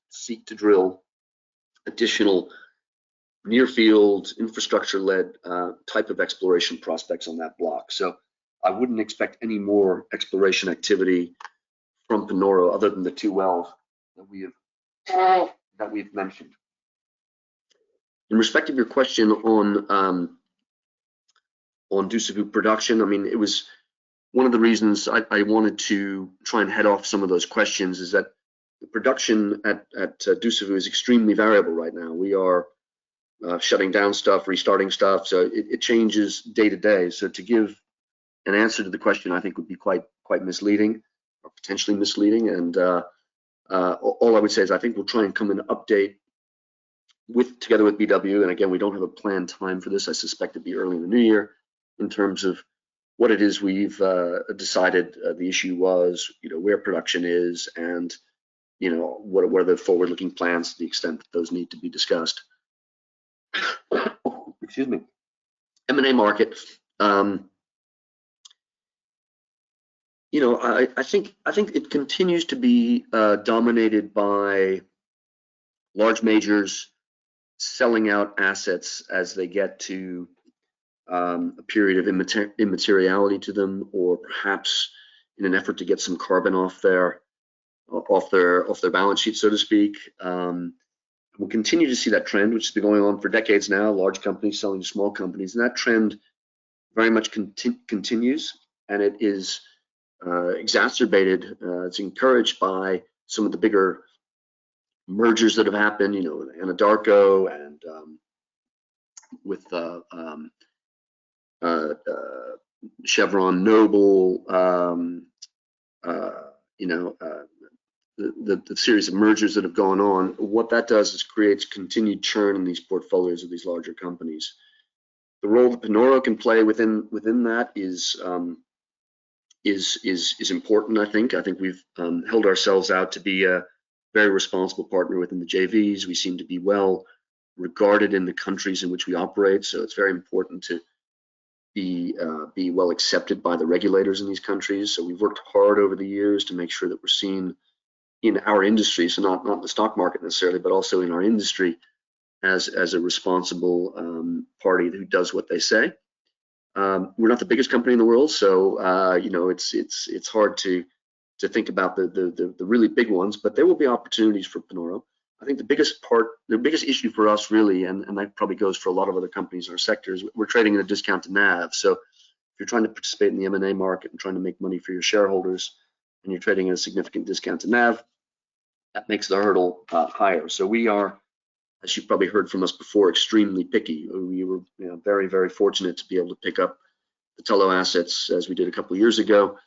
Speaker 1: seek to drill additional near field, infrastructure-led type of exploration prospects on that block. So I wouldn't expect any more exploration activity from Panoro other than the two wells that we have that we've mentioned. In respect of your question on Dussafu production, I mean, it was one of the reasons I wanted to try and head off some of those questions, is that the production at Dussafu is extremely variable right now. We are shutting down stuff, restarting stuff, so it changes day to day. So, to give an answer to the question, I think would be quite, quite misleading or potentially misleading, and all I would say is, I think we'll try and come and update together with BW. And again, we don't have a planned time for this. I suspect it'll be early in the new year in terms of what it is we've decided the issue was, you know, where production is and, you know, what are, what are the forward-looking plans to the extent that those need to be discussed. Excuse me. M&A market, you know, I think it continues to be dominated by large majors selling out assets as they get to a period of immateriality to them, or perhaps in an effort to get some carbon off their balance sheet, so to speak. We'll continue to see that trend, which has been going on for decades now, large companies selling to small companies. And that trend very much continues, and it is exacerbated, it's encouraged by some of the bigger mergers that have happened, you know, Anadarko and with the Chevron, Noble, you know, the series of mergers that have gone on. What that does is creates continued churn in these portfolios of these larger companies. The role that Panoro can play within that is important, I think. I think we've held ourselves out to be a very responsible partner within the JVs. We seem to be well-regarded in the countries in which we operate, so it's very important to be well-accepted by the regulators in these countries. So we've worked hard over the years to make sure that we're seen in our industry, so not in the stock market necessarily, but also in our industry, as a responsible party who does what they say. We're not the biggest company in the world, so you know, it's hard to think about the really big ones, but there will be opportunities for Panoro. I think the biggest part, the biggest issue for us, really, and that probably goes for a lot of other companies in our sectors, we're trading at a discount to NAV. If you're trying to participate in the M&A market and trying to make money for your shareholders, and you're trading at a significant discount to NAV, that makes the hurdle higher. So we are, as you probably heard from us before, extremely picky. We were, you know, very, very fortunate to be able to pick up the Tullow assets as we did a couple of years ago,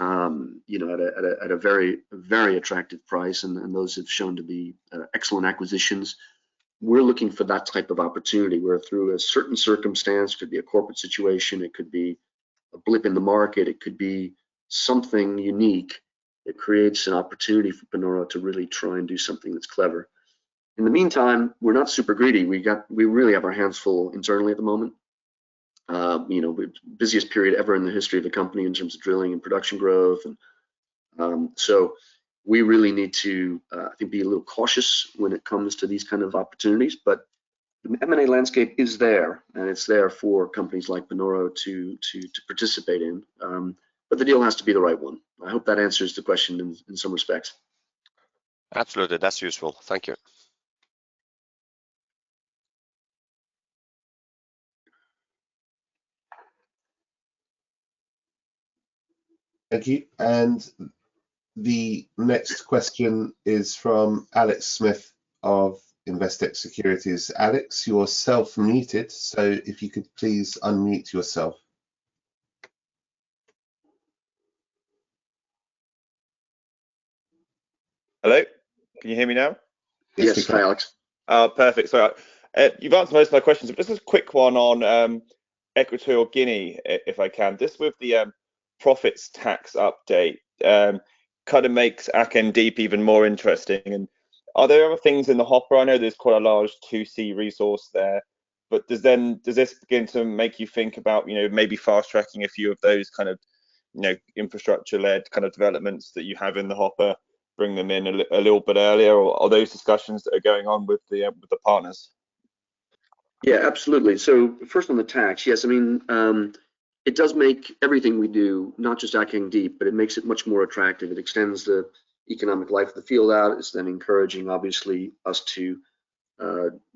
Speaker 1: you know, at a very, very attractive price, and those have shown to be excellent acquisitions. We're looking for that type of opportunity, where through a certain circumstance, could be a corporate situation, it could be a blip in the market, it could be something unique that creates an opportunity for Panoro to really try and do something that's clever. In the meantime, we're not super greedy. We really have our hands full internally at the moment. You know, we're busiest period ever in the history of the company in terms of drilling and production growth. So we really need to, I think, be a little cautious when it comes to these kind of opportunities. But the M&A landscape is there, and it's there for companies like Panoro to participate in, but the deal has to be the right one. I hope that answers the question in some respects.
Speaker 5: Absolutely. That's useful. Thank you.
Speaker 2: Thank you. The next question is from Alex Smith of Investec Securities. Alex, you're self muted, so if you could please unmute yourself.
Speaker 6: Hello, can you hear me now?
Speaker 2: Yes.
Speaker 1: Yes. Hi, Alex.
Speaker 6: Oh, perfect. Sorry. You've answered most of my questions, but just a quick one on Equatorial Guinea, if I can. Just with the profits tax update, kind of makes Akeng Deep even more interesting. And are there other things in the hopper? I know there's quite a large 2C resource there, but does this begin to make you think about, you know, maybe fast-tracking a few of those kind of, you know, infrastructure-led kind of developments that you have in the hopper, bring them in a little bit earlier, or are those discussions that are going on with the partners?
Speaker 1: Yeah, absolutely. So first on the tax, yes, I mean, it does make everything we do, not just Akeng Deep, but it makes it much more attractive. It extends the economic life of the field out. It's then encouraging, obviously, us to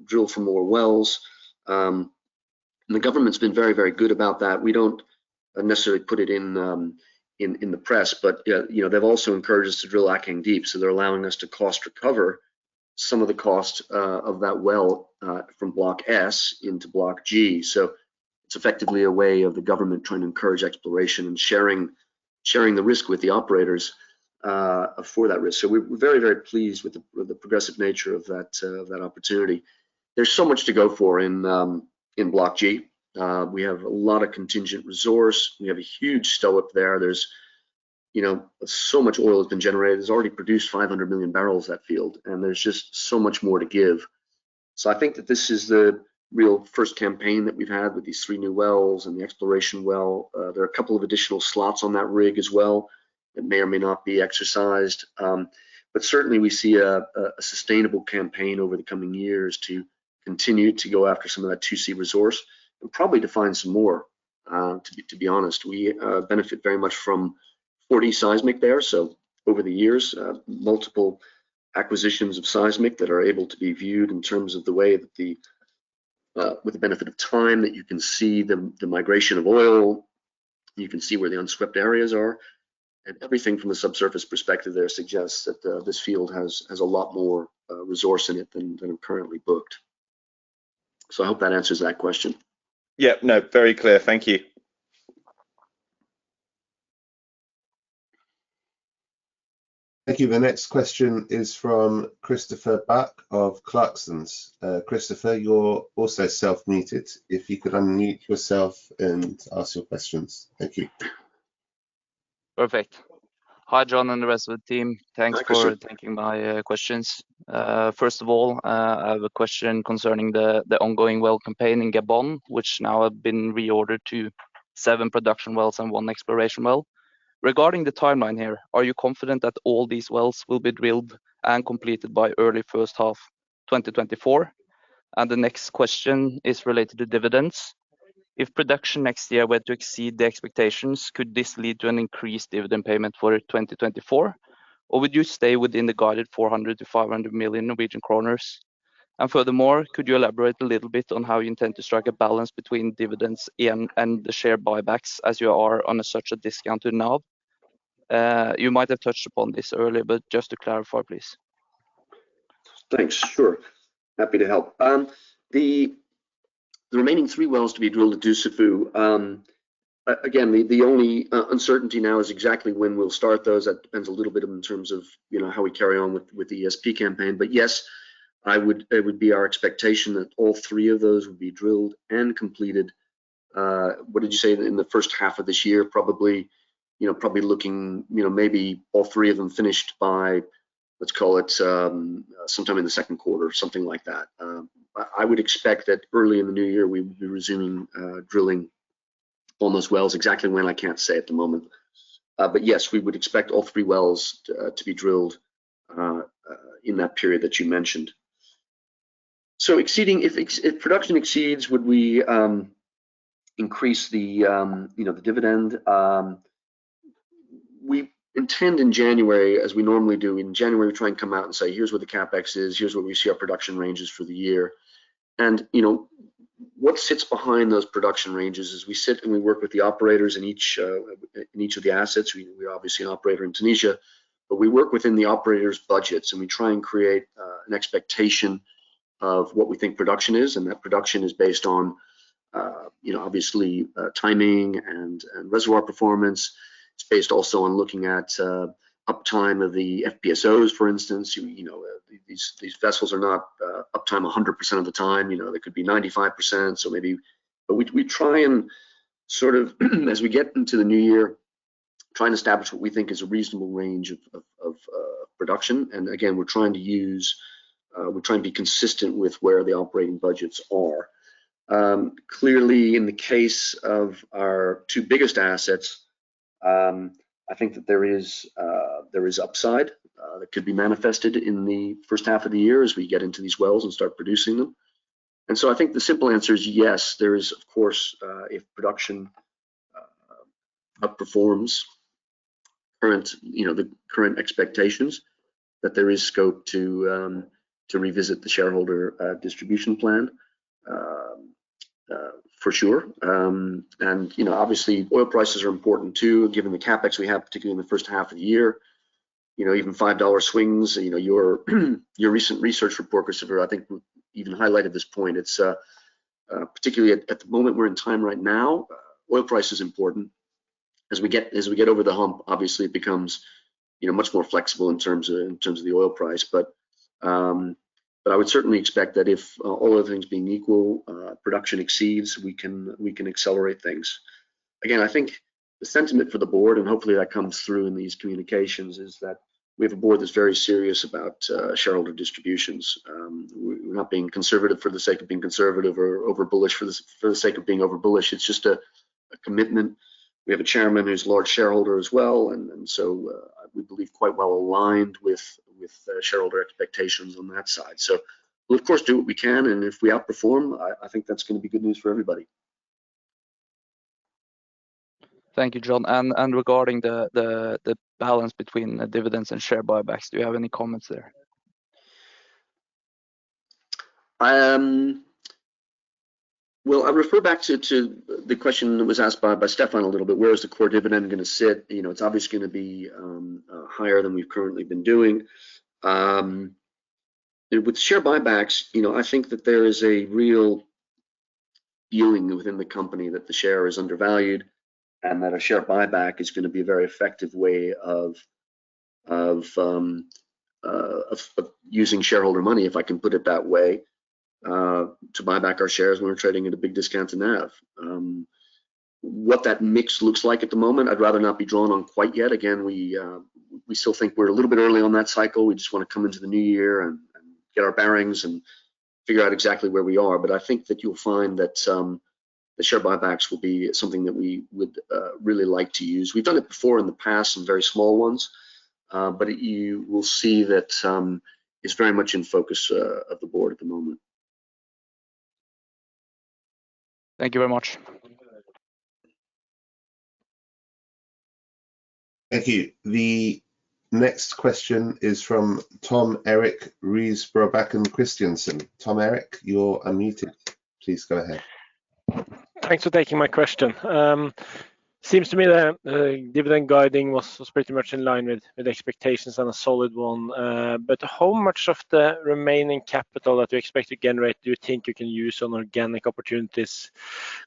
Speaker 1: drill for more wells. And the government's been very, very good about that. We don't necessarily put it in the press, but you know, they've also encouraged us to drill Akeng Deep, so they're allowing us to cost recover some of the cost of that well from Block S into Block G. So it's effectively a way of the government trying to encourage exploration and sharing, sharing the risk with the operators for that risk. So we're, we're very, very pleased with the, with the progressive nature of that opportunity. There's so much to go for in Block G. We have a lot of contingent resource. We have a huge STOIIP there. There's, you know, so much oil has been generated. It's already produced 500 million barrels, that field, and there's just so much more to give. So I think that this is the real first campaign that we've had with these three new wells and the exploration well. There are a couple of additional slots on that rig as well that may or may not be exercised. But certainly we see a sustainable campaign over the coming years to continue to go after some of that 2C resource and probably to find some more, to be honest. We benefit very much from 4D seismic there. So over the years, multiple acquisitions of seismic that are able to be viewed in terms of the way that the, with the benefit of time, that you can see the migration of oil, you can see where the undrilled areas are. And everything from a subsurface perspective there suggests that this field has a lot more resource in it than currently booked. So I hope that answers that question.
Speaker 6: Yeah. No, very clear. Thank you.
Speaker 2: Thank you. The next question is from Christoffer Bachke of Clarksons. Christoffer, you're also self-muted. If you could unmute yourself and ask your questions. Thank you.
Speaker 7: Perfect. Hi, John, and the rest of the team.
Speaker 1: Hi, Christoffer.
Speaker 7: Thanks for taking my questions. First of all, I have a question concerning the ongoing well campaign in Gabon, which now have been reordered to seven production wells and one exploration well. Regarding the timeline here, are you confident that all these wells will be drilled and completed by early first half 2024? And the next question is related to dividends. If production next year were to exceed the expectations, could this lead to an increased dividend payment for 2024, or would you stay within the guided 400 million to 500 million Norwegian kroner? And furthermore, could you elaborate a little bit on how you intend to strike a balance between dividends and the share buybacks as you are on a such a discounted now? You might have touched upon this earlier, but just to clarify, please.
Speaker 1: Thanks. Sure. Happy to help. The remaining three wells to be drilled at Dussafu, again, the only uncertainty now is exactly when we'll start those. That depends a little bit in terms of, you know, how we carry on with the ESP campaign. But yes, it would be our expectation that all three of those would be drilled and completed, what did you say? In the first half of this year, probably, you know, probably looking, you know, maybe all three of them finished by, let's call it, sometime in the second quarter, something like that. I would expect that early in the new year, we, we'll be resuming drilling on those wells. Exactly when, I can't say at the moment. But yes, we would expect all three wells to be drilled in that period that you mentioned. So if production exceeds, would we increase the, you know, the dividend? We intend in January, as we normally do, in January, we try and come out and say, "Here's what the CapEx is, here's what we see our production range is for the year." And, you know, what sits behind those production ranges is we sit and we work with the operators in each, in each of the assets. We obviously an operator in Tunisia, but we work within the operators' budgets, and we try and create an expectation of what we think production is. And that production is based on, you know, obviously, timing and, and reservoir performance. It's based also on looking at uptime of the FPSOs, for instance. You know, these vessels are not uptime 100% of the time. You know, they could be 95%, so maybe. But we try and sort of, as we get into the new year, try and establish what we think is a reasonable range of production. And again, we're trying to use, we're trying to be consistent with where the operating budgets are. Clearly, in the case of our two biggest assets, I think that there is there is upside that could be manifested in the first half of the year as we get into these wells and start producing them. I think the simple answer is yes, there is, of course, if production outperforms current, you know, the current expectations, that there is scope to revisit the shareholder distribution plan, for sure. Tou know, obviously, oil prices are important, too, given the CapEx we have, particularly in the first half of the year. You know, even $5 swings, you know, your recent research report, Christopher, I think even highlighted this point. It's particularly at the moment we're in time right now, oil price is important. As we get over the hump, obviously, it becomes, you know, much more flexible in terms of the oil price. But I would certainly expect that if all other things being equal, production exceeds, we can accelerate things. Again, I think the sentiment for the board, and hopefully that comes through in these communications, is that we have a board that's very serious about shareholder distributions. We're not being conservative for the sake of being conservative or over bullish for the sake of being over bullish. It's just a commitment. We have a chairman who's a large shareholder as well, and so we believe quite well aligned with shareholder expectations on that side. So we'll, of course, do what we can, and if we outperform, I think that's going to be good news for everybody.
Speaker 7: Thank you, John. Regarding the balance between the dividends and share buybacks, do you have any comments there?
Speaker 1: Well, I refer back to the question that was asked by Stefan a little bit. Where is the core dividend going to sit? You know, it's obviously going to be higher than we've currently been doing. And with share buybacks, you know, I think that there is a real feeling within the company that the share is undervalued, and that a share buyback is going to be a very effective way of using shareholder money, if I can put it that way, to buy back our shares when we're trading at a big discount to NAV. What that mix looks like at the moment, I'd rather not be drawn on quite yet. Again, we still think we're a little bit early on that cycle. We just wanna come into the new year and get our bearings and figure out exactly where we are. But I think that you'll find that the share buybacks will be something that we would really like to use. We've done it before in the past, some very small ones, but you will see that it's very much in focus of the board at the moment.
Speaker 7: Thank you very much.
Speaker 2: Thank you. The next question is from Tom Erik Risebrobakken Kristiansen. Tom Erik, you're unmuted. Please go ahead.
Speaker 8: Thanks for taking my question. Seems to me the dividend guiding was pretty much in line with expectations and a solid one. But how much of the remaining capital that you expect to generate do you think you can use on organic opportunities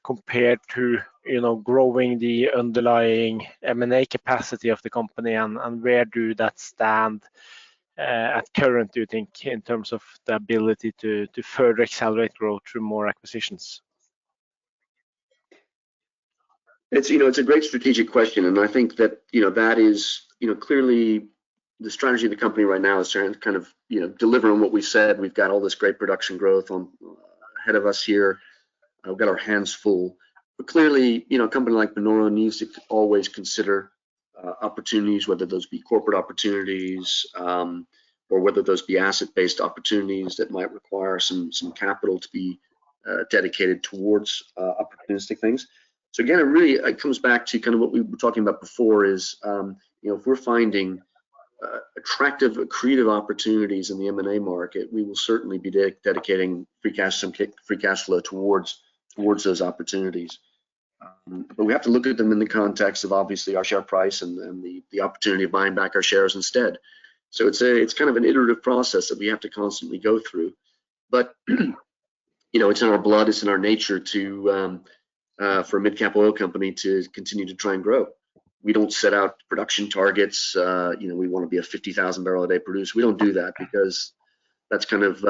Speaker 8: compared to, you know, growing the underlying M&A capacity of the company? And where do that stand at current, do you think, in terms of the ability to further accelerate growth through more acquisitions?
Speaker 1: It's, you know, it's a great strategic question, and I think that, you know, that is. You know, clearly the strategy of the company right now is trying to kind of, you know, deliver on what we said. We've got all this great production growth on ahead of us here. We've got our hands full. But clearly, you know, a company like Panoro needs to always consider opportunities, whether those be corporate opportunities, or whether those be asset-based opportunities that might require some capital to be dedicated towards opportunistic things. So again, it really, it comes back to kind of what we were talking about before is, you know, if we're finding attractive, accretive opportunities in the M&A market, we will certainly be dedicating free cash flow towards those opportunities. But we have to look at them in the context of, obviously, our share price and then the opportunity of buying back our shares instead. So it's kind of an iterative process that we have to constantly go through. But, you know, it's in our blood. It's in our nature for a mid-cap oil company to continue to try and grow. We don't set out production targets, you know. We want to be a 50,000 barrel a day producer. We don't do that because that's kind of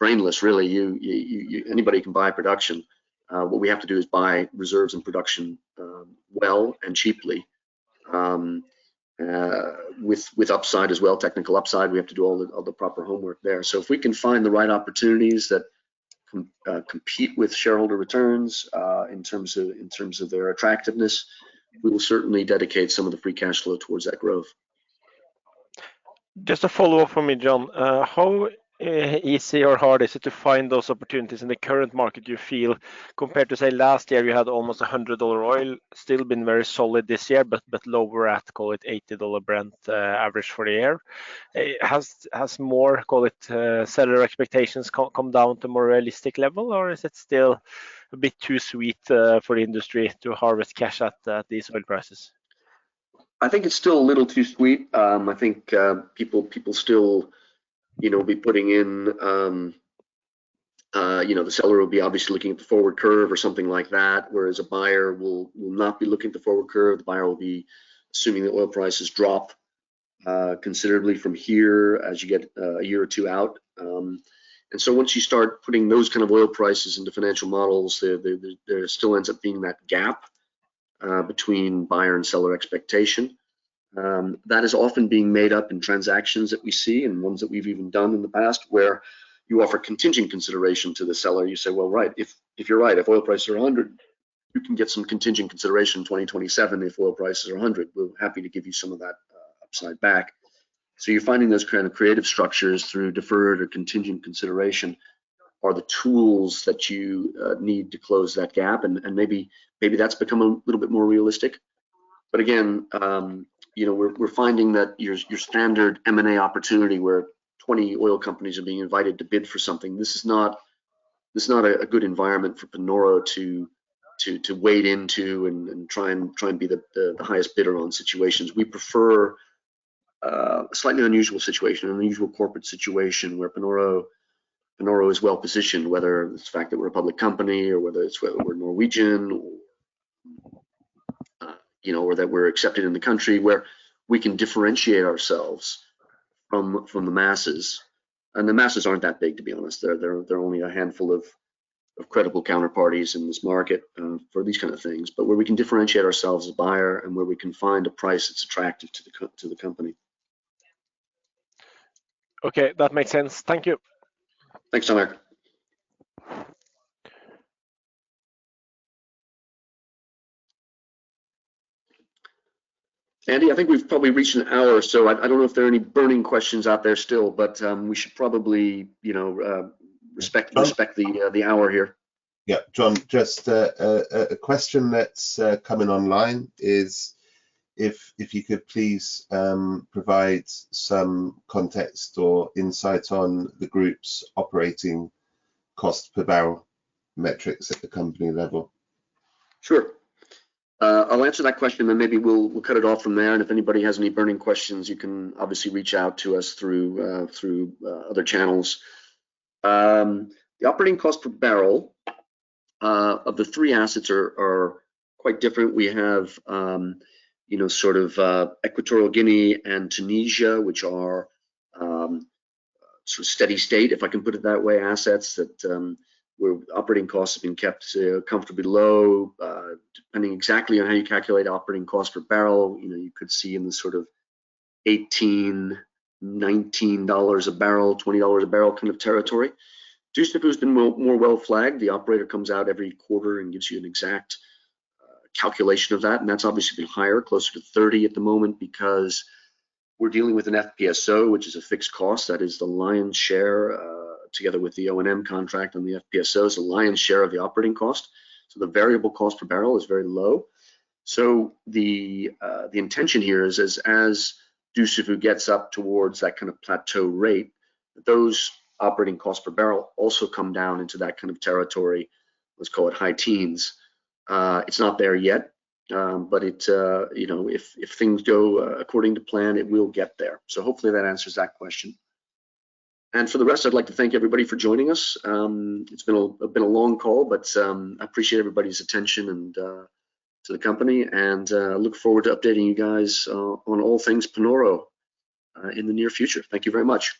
Speaker 1: brainless, really. Anybody can buy production. What we have to do is buy reserves and production, well and cheaply, with upside as well, technical upside. We have to do all the proper homework there. If we can find the right opportunities that compete with shareholder returns, in terms of their attractiveness, we will certainly dedicate some of the free cash flow towards that growth.
Speaker 8: Just a follow-up for me, John. How easy or hard is it to find those opportunities in the current market, you feel, compared to, say, last year, you had almost a $100 oil, still been very solid this year, but lower at, call it, $80 Brent, average for the year. Has more, call it, seller expectations come down to more realistic level? Or is it still a bit too sweet for the industry to harvest cash at these oil prices?
Speaker 1: I think it's still a little too sweet. I think people still, you know, will be putting in, you know, the seller will be obviously looking at the forward curve or something like that, whereas a buyer will not be looking at the forward curve. The buyer will be assuming that oil prices drop considerably from here as you get a year or two out. And so once you start putting those kind of oil prices into financial models, there still ends up being that gap between buyer and seller expectation. That is often being made up in transactions that we see and ones that we've even done in the past, where you offer contingent consideration to the seller. You say, "Well, right, if you're right, if oil prices are $100, you can get some contingent consideration in 2027. If oil prices are $100, we're happy to give you some of that upside back." So you're finding those kind of creative structures through deferred or contingent consideration are the tools that you need to close that gap, and maybe that's become a little bit more realistic. But again, you know, we're finding that your standard M&A opportunity, where 20 oil companies are being invited to bid for something. This is not a good environment for Panoro to wade into and try and be the highest bidder on situations. We prefer a slightly unusual situation, an unusual corporate situation where Panoro, Panoro is well-positioned, whether it's the fact that we're a public company, or whether we're Norwegian, or, you know, or that we're accepted in the country, where we can differentiate ourselves from the masses. The masses aren't that big, to be honest. There are only a handful of credible counterparties in this market for these kind of things. But where we can differentiate ourselves as a buyer and where we can find a price that's attractive to the company.
Speaker 8: Okay, that makes sense. Thank you.
Speaker 1: Thanks, Erik. Andy, I think we've probably reached an hour, so I don't know if there are any burning questions out there still, but we should probably, you know, respect the hour here.
Speaker 2: Yeah, John, just a question that's come in online is if you could please provide some context or insight on the group's operating cost per barrel metrics at the company level.
Speaker 1: Sure. I'll answer that question, and then maybe we'll cut it off from there. And if anybody has any burning questions, you can obviously reach out to us through other channels. The operating cost per barrel of the three assets are quite different. We have, you know, sort of, Equatorial Guinea and Tunisia, which are, sort of steady state, if I can put it that way, assets that where operating costs have been kept comfortably low. Depending exactly on how you calculate operating cost per barrel, you know, you could see in the sort of $18, $19 a barrel, $20 a barrel kind of territory. Dussafu's been more well flagged. The operator comes out every quarter and gives you an exact calculation of that, and that's obviously higher, closer to 30 at the moment because we're dealing with an FPSO, which is a fixed cost, that is the lion's share together with the O&M contract on the FPSO, is the lion's share of the operating cost. So the variable cost per barrel is very low. So the intention here is as Dussafu gets up towards that kind of plateau rate, those operating costs per barrel also come down into that kind of territory, let's call it high teens. It's not there yet, but it you know, if things go according to plan, it will get there. So hopefully that answers that question. And for the rest, I'd like to thank everybody for joining us. It's been a long call, but I appreciate everybody's attention to the company, and look forward to updating you guys on all things Panoro in the near future. Thank you very much.